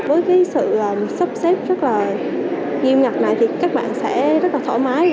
với sự sắp xếp rất là nghiêm ngặt này thì các bạn sẽ rất là thoải mái